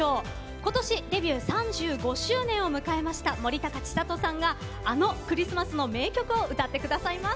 今年、デビュー３５周年を迎えました、森高千里さんがあのクリスマスの名曲を歌ってくださいます。